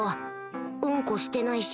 うんこしてないし。